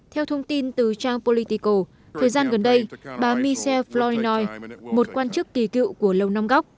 theo thông tin từ trang politico thời gian gần đây bà michelle flournoy một quan chức kỳ cựu của lâu năm góc